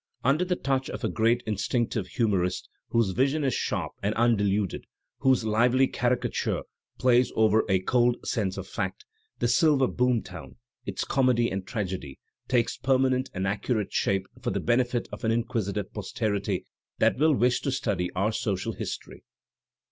Under the touch of a great instinctive humourist, whose vision is sharp and undeluded, whose lively caricature plays over a cold sense of fact, the silver boom town, its comedy and tragedy, Digitized by Google MAEK TWAIN 857 takes permanent and accurate shape for the benefit of an inquisitive posterity that wiQ wish to study our social history.